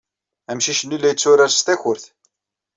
Amcic-nni la yetturar s takurt.